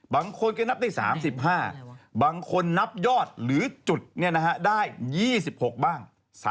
บางคนก็นับได้๓๕บางคนนับยอดหรือจุดได้๒๖บ้าง